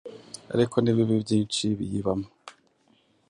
Ariko n’ibibi byinshi biyibamo